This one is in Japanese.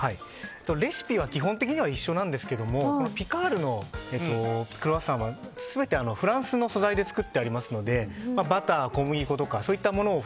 レシピは基本的には一緒なんですけどピカールのクロワッサンは全てフランスの素材で作ってありますのでバター、小麦粉とかそういったものを